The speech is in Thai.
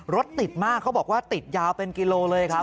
รถติดมากเขาบอกว่าติดยาวเป็นกิโลเลยครับ